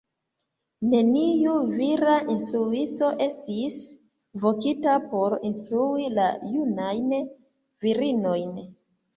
Neniu vira instruisto estis vokita por instrui la junajn virinojn.